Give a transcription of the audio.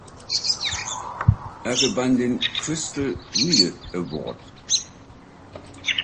Er gewann den "Crystal Reel Award".